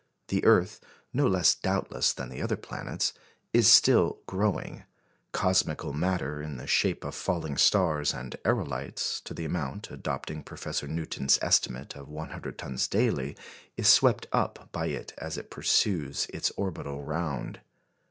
The earth no less doubtless than the other planets is still growing. Cosmical matter in the shape of falling stars and aërolites, to the amount, adopting Professor Newton's estimate, of 100 tons daily, is swept up by it as it pursues its orbital round.